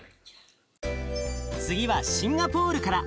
次はシンガポールから。